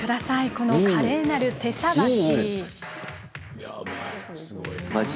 この華麗なる手さばき。